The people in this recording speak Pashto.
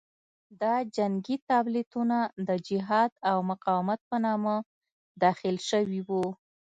دا جنګي تابلیتونه د جهاد او مقاومت په نامه داخل شوي وو.